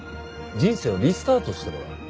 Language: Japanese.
人生をリスタートしてもらう。